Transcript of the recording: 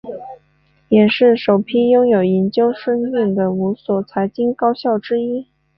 也是首批拥有研究生院的五所财经高校之一。